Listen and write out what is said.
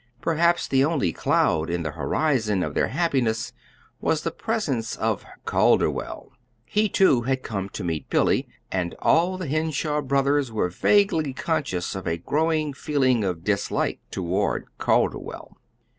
Perhaps the only cloud in the horizon of their happiness was the presence of Calderwell. He, too, had come to meet Billy and all the Henshaw brothers were vaguely conscious of a growing feeling of dislike toward Calderwell.